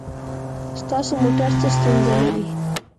ستاسو موټر څه ستونزه لري؟